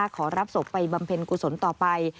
ขอรับศพไปบำเพ็ญกุศลต่อไป